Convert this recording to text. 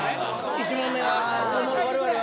１問目は。